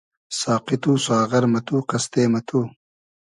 ساقی تو , ساغر مہ تو , قئستې مہ تو